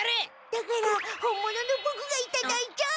だから本物のボクがいただいちゃう！